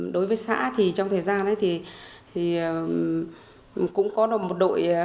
đối với xã thì trong thời gian ấy thì cũng có được một đội đa lạc